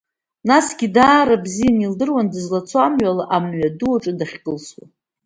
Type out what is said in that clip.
Насгьы даара бзиа илдыруан дызлацо амҩала, амҩа-ду аҿы дахькылсуа.